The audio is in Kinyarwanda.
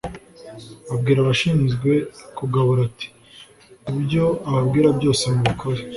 abwira abashinzwe kugabura ati: "Ibyo ababwira byose mubikore."